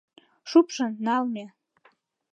Шупшын налме.